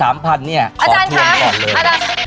อาจารย์ค่ะขอถืนก่อนเลย